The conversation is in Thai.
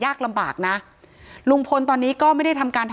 ถ้าใครอยากรู้ว่าลุงพลมีโปรแกรมทำอะไรที่ไหนยังไง